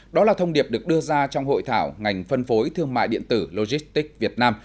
đó là thông điệp được đưa ra trong hội thảo ngành phân phối thương mại điện tử logistics việt nam